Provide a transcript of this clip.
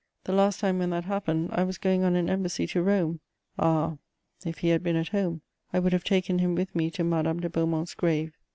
The last time when that happened, I was going on an embassy to Rome: ah, if he had been at home, I would have taken him with me to Madame de Beaumont's grave!